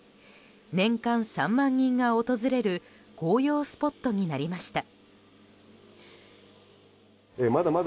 年間３万人が訪れる紅葉スポットになりました。